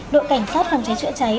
đội cảnh sát phòng cháy trợ cháy